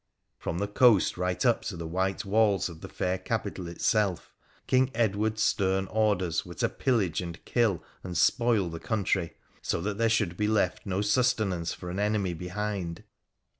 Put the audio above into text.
From the coast right up to the white walls of the fair capital itself, King Edward's stern orders were to pillage and kill and spoil the country, so that there should be left no sustenance for an enemy behind.